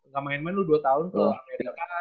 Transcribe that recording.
gak main main lu dua tahun kemerdeka